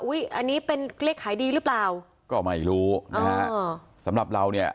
อันนี้เป็นเลขขายดีหรือเปล่าก็ไม่รู้นะฮะสำหรับเราเนี่ย